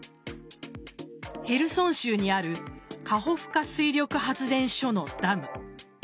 ヘルソン州にあるカホフカ水力発電所のダム。